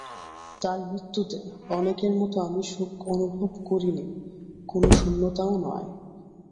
তাঁর মৃত্যুতে অনেকের মতো আমি শোক অনুভব করিনি, কোনো শূন্যতাও নয়।